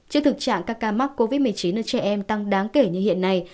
trước thực trạng các ca mắc covid một mươi chín ở trẻ em tăng đáng kể như hiện nay